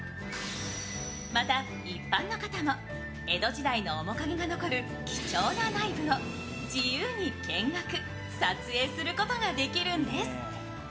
また、一般の方も江戸時代の面影が残る貴重な内部を自由に見学、撮影することができるんです。